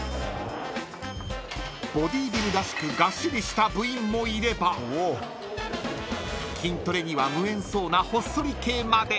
［ボディビルらしくがっしりした部員もいれば筋トレには無縁そうなほっそり系まで］